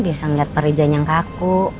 biasa ngeliat pak rija yang kaku